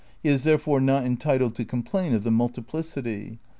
He is, therefore, not entitled to complain of the multiplicity.